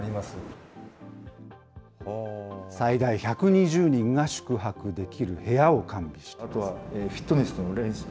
最大１２０人が宿泊できる部屋を完備してます。